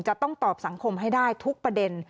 จะต้องตอบสังคมให้ได้ทุกประเด็น